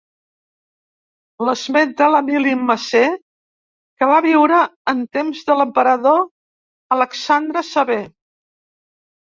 L'esmenta Emili Macer que va viure en temps de l'emperador Alexandre Sever.